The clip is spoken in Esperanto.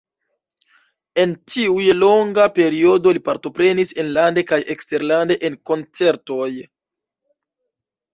En tiu longa periodo li partoprenis enlande kaj eksterlande en koncertoj.